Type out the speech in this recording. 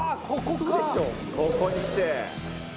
ここにきて。